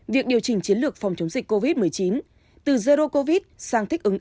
việc điều chỉnh chiến lược phòng chống dịch covid một mươi chín từ zero covid sang thích ứng